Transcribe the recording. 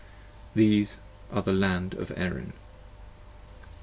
These are the Land of Erin.